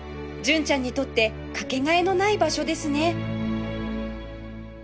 純ちゃんにとってかけがえのない場所ですね